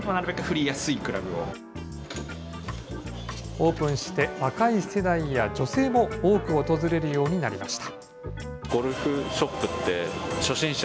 オープンして、若い世代や女性も多く訪れるようになりました。